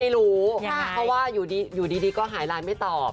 ไม่รู้เพราะว่าอยู่ดีก็หายไลน์ไม่ตอบ